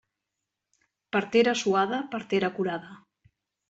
Partera suada, partera curada.